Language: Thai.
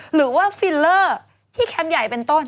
หรือว่าฟิลเลอร์ที่แคมป์ใหญ่เป็นต้น